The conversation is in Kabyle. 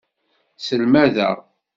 Sselmadeɣ.